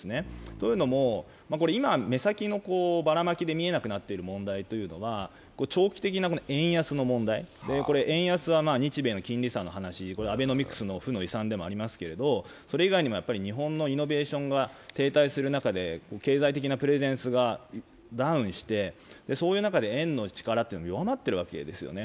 というのも、今、目先のばらまきで見えなくなっているのは、長期的な円安の問題、円安派日米の金利差の話、アベノミクスの負の遺産でもありますけれどもそれ以外にも日本のイノベーションが停滞する中で経済的なプレゼンスがダウンして、そういう中で円の力が弱まっているわけですよね。